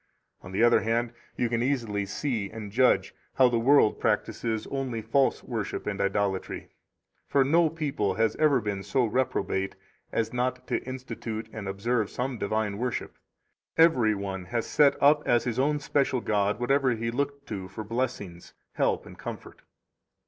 17 On the other hand, you can easily see and judge how the world practises only false worship and idolatry. For no people has ever been so reprobate as not to institute and observe some divine worship; every one has set up as his special god whatever he looked to for blessings, help, and comfort.